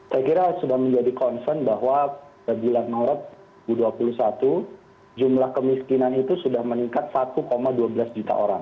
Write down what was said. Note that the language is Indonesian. saya kira sudah menjadi concern bahwa bulan maret dua ribu dua puluh satu jumlah kemiskinan itu sudah meningkat satu dua belas juta orang